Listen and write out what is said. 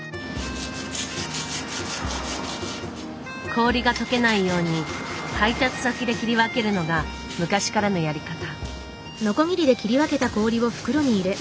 氷がとけないように配達先で切り分けるのが昔からのやり方。